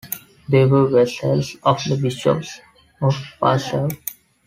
They were vassals of the bishops of Passau.